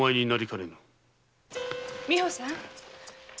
美保さん